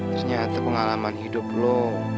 ternyata pengalaman hidup lo